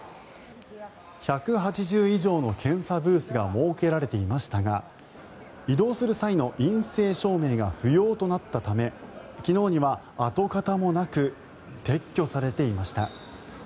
１８０以上の検査ブースが設けられていましたが移動する際の陰性証明が不要となったため昨日には跡形もなく撤去されていました。